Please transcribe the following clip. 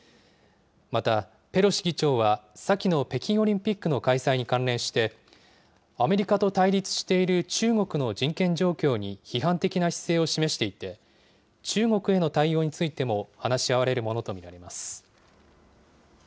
またペロシ議長は、先の北京オリンピックの開催に関連して、アメリカと対立している中国の人権状況に批判的な姿勢を示していて、中国への対応についても話し合われるものと見られます。